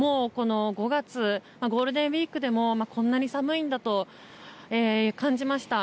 ５月、ゴールデンウィークでもこんなに寒いんだと感じました。